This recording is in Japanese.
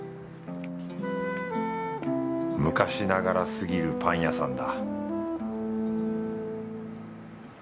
昔ながらすぎるパン屋さんだ